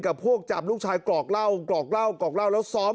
พวกจับลูกชายกรอกเหล้ากรอกเหล้ากรอกเหล้าแล้วซ้อม